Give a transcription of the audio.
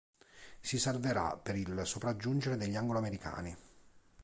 Si salverà per il sopraggiungere degli angloamericani.